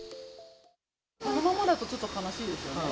このままだとちょっと悲しいですよね。